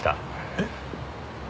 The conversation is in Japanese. えっ？